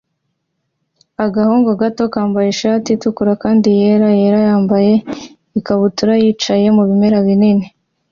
Agahungu gato kambaye ishati itukura kandi yera-yera yambaye ikabutura yicaye mu bimera binini